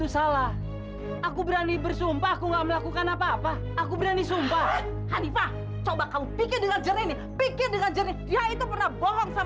sebelum kasus ini benar benar jelas